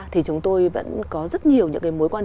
thì chúng tôi vẫn có rất nhiều những cái mối quan hệ